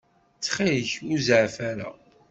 Ttxil-k, ur zeɛɛef ara.